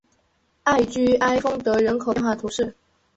艾居埃丰德人口变化图示